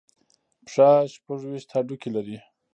پښه شپږ ویشت هډوکي لري.